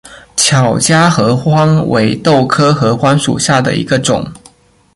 巧家合欢为豆科合欢属下的一个种。